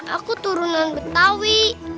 aku turunan betawi